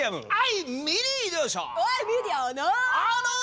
はい！